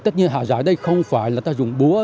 tất nhiên hạ giải đây không phải là ta dùng búa